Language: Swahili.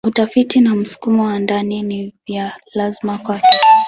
Utafiti na msukumo wa ndani ni vya lazima kwake.